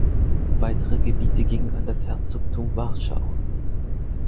Weitere Gebiete gingen an das Herzogtum Warschau.